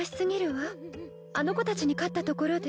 あの子たちに勝ったところで。